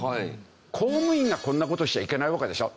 公務員がこんな事しちゃいけないわけでしょ。